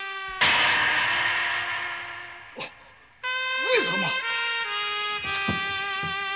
上様！？